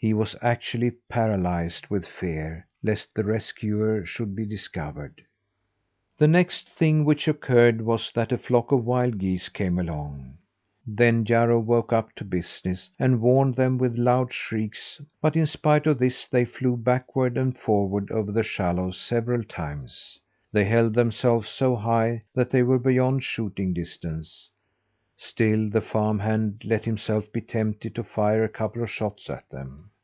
He was actually paralysed with fear lest the rescuer should be discovered. The next thing which occurred was that a flock of wild geese came along. Then Jarro woke up to business, and warned them with loud shrieks; but in spite of this they flew backward and forward over the shallows several times. They held themselves so high that they were beyond shooting distance; still the farm hand let himself be tempted to fire a couple of shots at them.